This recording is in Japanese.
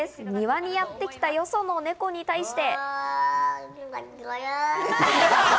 庭にやってきた、よそのネコに対して。